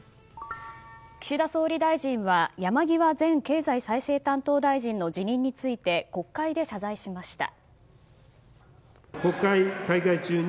岸田総理大臣は山際前経済再生担当大臣の辞任について国会で謝罪しました。